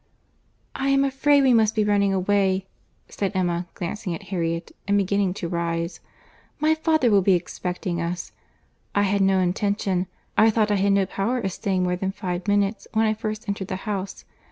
"I am afraid we must be running away," said Emma, glancing at Harriet, and beginning to rise—"My father will be expecting us. I had no intention, I thought I had no power of staying more than five minutes, when I first entered the house.